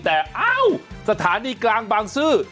แต่เอ้าสถานีกลางบางซื่อ